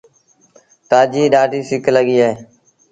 تآجي ڏآڍيٚ سڪ لڳيٚ اهي۔